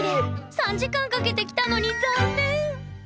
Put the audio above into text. ３時間かけて来たのに残念。